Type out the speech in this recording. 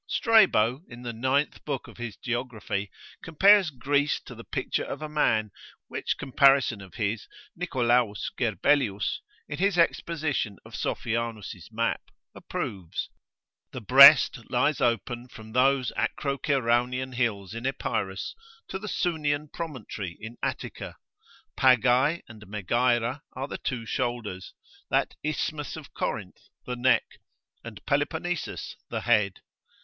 Strabo in the ninth book of his geography, compares Greece to the picture of a man, which comparison of his, Nic. Gerbelius in his exposition of Sophianus' map, approves; the breast lies open from those Acroceraunian hills in Epirus, to the Sunian promontory in Attica; Pagae and Magaera are the two shoulders; that Isthmus of Corinth the neck; and Peloponnesus the head.